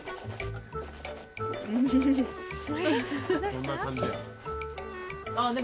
どんな感じや？